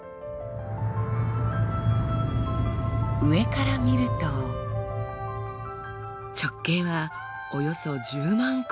上から見ると直径はおよそ１０万光年。